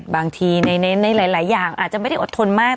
บางทีในหลายอย่างอาจจะไม่ได้อดทนมาก